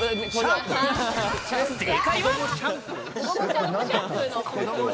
正解は。